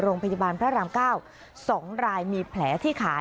โรงพยาบาลพระราม๙๒รายมีแผลที่ขา